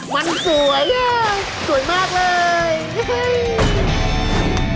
มันสวยเลยสวยมากเลย